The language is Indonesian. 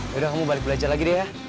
yaudah kamu balik belajar lagi deh ya